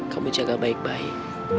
kamu jaga baik baik